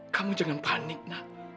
kamu jangan panik nak